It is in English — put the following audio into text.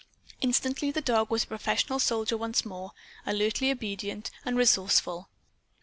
Instantly the dog was a professional soldier once more alertly obedient and resourceful.